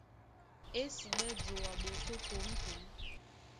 Ésiɓɛ́ joa ɓosó tǒmtǒm.